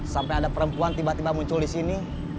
sampai ada perempuan tiba tiba muncul di sini